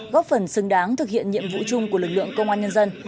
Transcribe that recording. góp phần xứng đáng thực hiện nhiệm vụ chung của lực lượng công an nhân dân